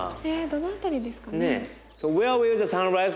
どの辺りですかね？